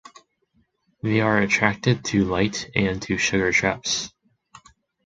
They are attracted to light and to sugar traps.